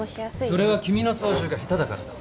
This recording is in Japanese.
それは君の操縦が下手だからだ。